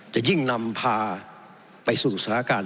จะยิ่งนำพาไปสู่สถานการณ์